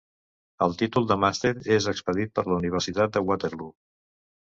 El títol de màster és expedit per la Universitat de Waterloo.